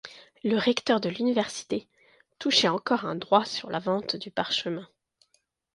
Le recteur de l'Université touchait encore un droit sur la vente du parchemin.